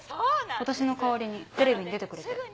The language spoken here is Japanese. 私の代わりにテレビに出てくれて。